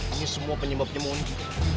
ini semua penyebabnya mondi